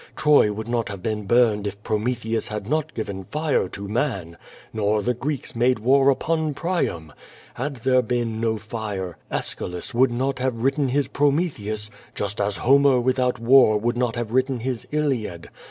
Troy would not have been burned if Prometheus had not given lire to man, nor the Greeks made war upon Priam. Had tlicre been no fire Aeschylus would not have written his Prometheus, just as Homer without war would not have written his Hiad.